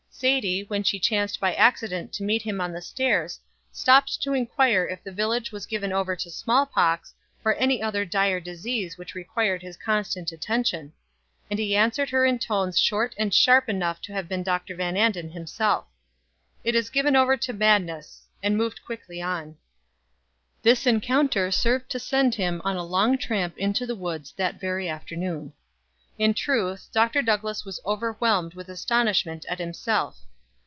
Sadie, when she chanced by accident to meet him on the stairs, stopped to inquire if the village was given over to small pox, or any other dire disease which required his constant attention; and he answered her in tones short and sharp enough to have been Dr. Van Anden himself: "It is given over to madness," and moved rapidly on. This encounter served to send him on a long tramp into the woods that very afternoon. In truth, Dr. Douglass was overwhelmed with astonishment at himself.